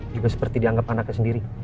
juga seperti dianggap anaknya sendiri